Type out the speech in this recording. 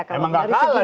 emang gak kalah